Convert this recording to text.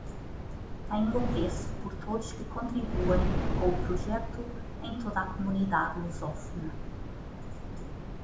Tenho apreço por todos que contribuem com o projeto em toda a comunidade lusófona